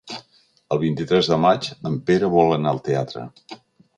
El vint-i-tres de maig en Pere vol anar al teatre.